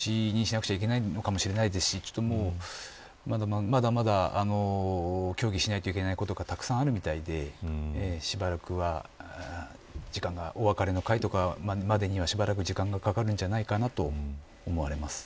そういうのも中止にしなくちゃいけないのかもしれないですしまだまだ協議しないといけないことがたくさんあるみたいでしばらくはお別れの会までには時間がかかるんじゃないかな